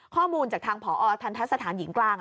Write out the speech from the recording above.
ข้อมูลจากทางผอทันทะสถานหญิงกลาง